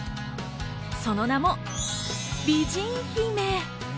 その名も、美人姫。